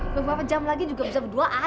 beberapa jam lagi juga bisa berdoa